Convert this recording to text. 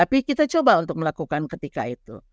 tapi kita coba untuk melakukan ketika itu